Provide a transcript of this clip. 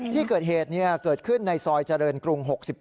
ที่เกิดเหตุเกิดขึ้นในซอยเจริญกรุง๖๙